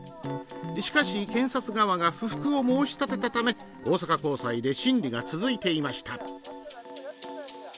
しかし、検察側が不服を申し立てたため、大阪高裁で審理が続いていました。